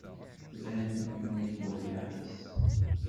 Tban yunnag wallaɣ-is.